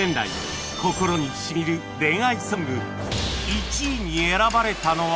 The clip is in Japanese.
１位に選ばれたのは